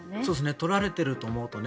撮られていると思うとね。